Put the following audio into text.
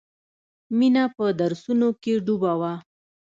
مینه په درسونو کې ډوبه وه